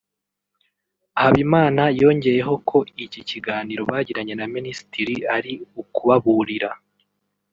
Habimana yongeyeho ko iki kiganiro bagiranye na Minisitiri ari ukubaburira